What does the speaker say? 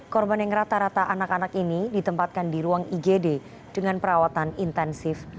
korban yang rata rata anak anak ini ditempatkan di ruang igd dengan perawatan intensif